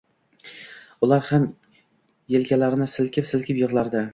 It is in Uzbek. Ular ham elkalarini silkib-silkib yig`lardi